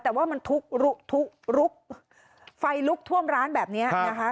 แต่ว่ามันทุกทุกไฟลุกท่วมร้านแบบนี้นะคะ